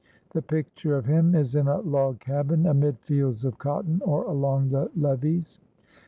The picture of him is in a log cabin amid fields of cotton or along the levees.